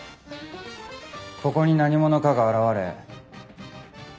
ここに何者かが現れ。